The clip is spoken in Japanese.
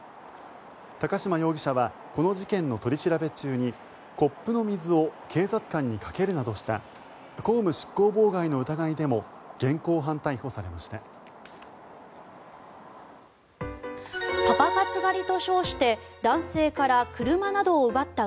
高島容疑者はこの事件の取り調べ中にコップの水を警察官にかけるなどした公務執行妨害の疑いでも現行犯逮捕されました。